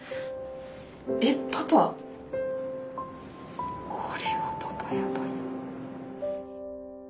えっパパこれはパパやばい。